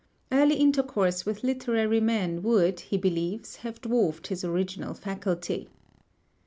Early intercourse with literary men would, he believes, have dwarfed his original faculty.